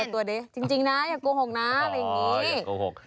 ตัวดิจริงนะอย่าโกหกนะอะไรอย่างนี้